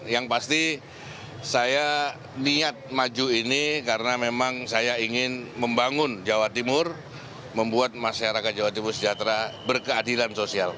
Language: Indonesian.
yang pasti saya niat maju ini karena memang saya ingin membangun jawa timur membuat masyarakat jawa timur sejahtera berkeadilan sosial